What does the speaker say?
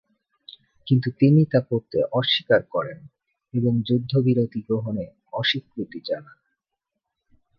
কিন্তু তিনি তা করতে অস্বীকার করেন এবং যুদ্ধবিরতি গ্রহণে অস্বীকৃতি জানান।